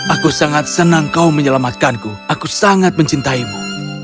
aku sangat senang kau menyelamatkanku aku sangat mencintaimu